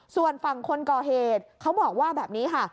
ส่วนฝั่งคนก่อเหตุเขาบอกว่าแบบนี้ค่ะ